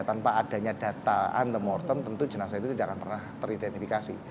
tanpa adanya data antemortem tentu jenazah itu tidak akan pernah teridentifikasi